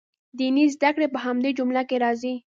دیني زده کړې په همدې جمله کې راځي.